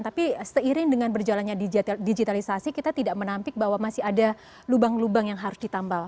tapi seiring dengan berjalannya digitalisasi kita tidak menampik bahwa masih ada lubang lubang yang harus ditambal